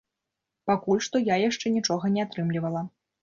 Пакуль што я яшчэ нічога не атрымлівала.